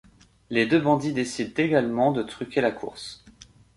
Les deux bandits décident également de truquer la course.